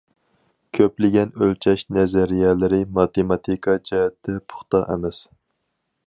كۆپلىگەن ئۆلچەش نەزەرىيەلىرى ماتېماتىكا جەھەتتە پۇختا ئەمەس.